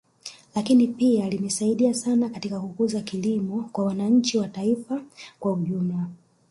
Lakini pia limesaidia sana katika kukuza kilimo kwa wananchi na taifa kwa ujumla